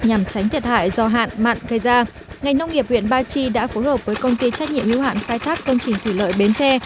nhằm tránh thiệt hại do hạn mặn gây ra ngành nông nghiệp huyện ba chi đã phối hợp với công ty trách nhiệm lưu hạn khai thác công trình thủy lợi bến tre